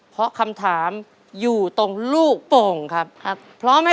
เพราะคำถามอยู่ตรงลูกโป่งครับ